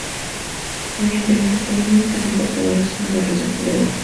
Mediante los estolones que son portadores de una roseta de hojas.